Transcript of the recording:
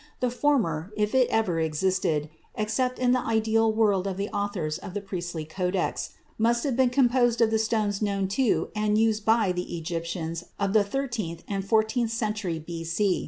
The former, if it ever existed, except in the ideal world of the authors of the Priestly Codex, must have been composed of the stones known to and used by the Egyptians of the thirteenth or fourteenth century, B.C.